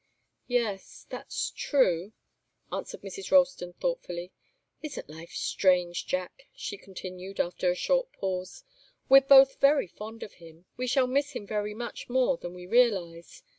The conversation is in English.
"Yes that's true," answered Mrs. Ralston, thoughtfully. "Isn't life strange, Jack?" she continued, after a short pause. "We're both very fond of him. We shall miss him very much more than we realize.